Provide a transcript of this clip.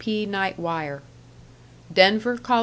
P. NIGHT WIRE] DENVER (Colo.)